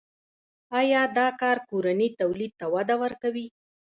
آیا دا کار کورني تولید ته وده ورکوي؟